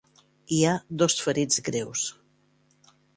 Hi ha dos ferits greus.